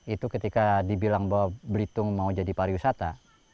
itu ketika dibilang bahwa belitung mau jadi pariwisata